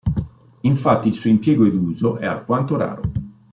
Infatti il suo impiego ed uso è alquanto raro.